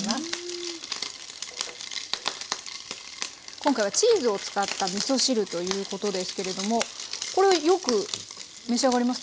今回はチーズを使ったみそ汁ということですけれどもこれはよく召し上がります？